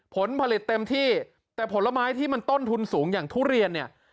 ผลผลิตเต็มที่แต่ผลไม้ที่มันต้นทุนสูงอย่างทุเรียนเนี่ย